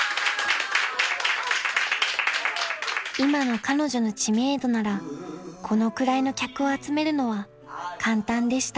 ［今の彼女の知名度ならこのくらいの客を集めるのは簡単でした］